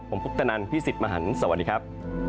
ผมพุทธนันพี่สิทธิ์มหันฯสวัสดีครับ